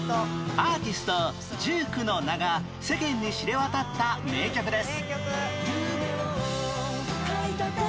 アーティスト１９の名が世間に知れ渡った名曲です